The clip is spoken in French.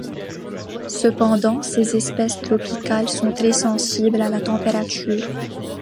Cependant, ces espèces tropicales sont très sensibles à la température.